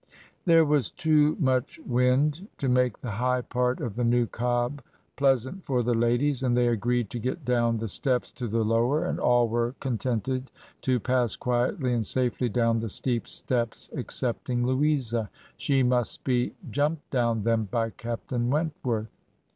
"There was too much wind to make the high part of the new Cobb pleasant for the ladies, and they agreed to get down the steps to the lower, and all were contented to pass quietly and safely down the steep steps excepting Louisa; she must be jumped down them by Captain Wentworth.